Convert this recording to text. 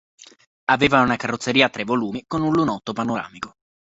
Aveva una carrozzeria a tre volumi con un lunotto panoramico.